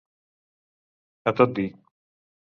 A tot dir.